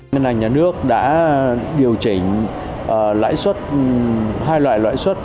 ngân hàng nhà nước đã điều chỉnh hai loại lãi suất